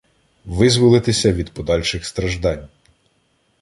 Визволитися від подальших страждань.